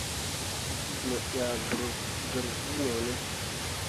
Mo yah gǝr vuu no ne ?